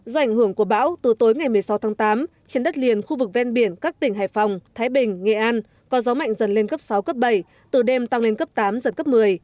do ảnh hưởng của bão từ tối ngày một mươi sáu tháng tám trên đất liền khu vực ven biển các tỉnh hải phòng thái bình nghệ an có gió mạnh dần lên cấp sáu cấp bảy từ đêm tăng lên cấp tám giật cấp một mươi